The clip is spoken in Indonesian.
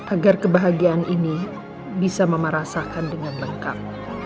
agar kebahagiaan ini bisa mama rasakan dengan lengkap